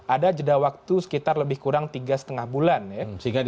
ada jeda waktu sekitar lebih kurang tiga lima bulan ya